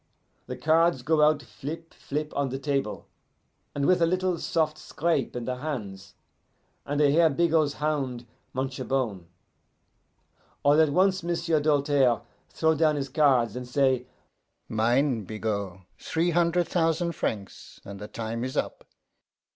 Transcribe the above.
The cards go out flip, flip, on the table, and with a little soft scrape in the hands, and I hear Bigot's hound much a bone. All at once M'sieu' Doltaire throw down his cards, and say, 'Mine, Bigot! Three hunder' thousan' francs, and the time is up!